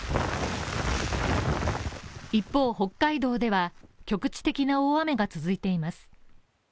一方、北海道では局地的な大雨が続いています。